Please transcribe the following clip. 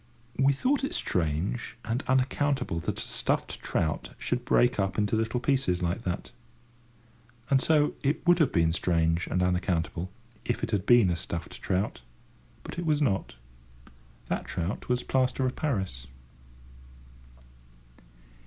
We thought it strange and unaccountable that a stuffed trout should break up into little pieces like that. And so it would have been strange and unaccountable, if it had been a stuffed trout, but it was not. That trout was plaster of Paris.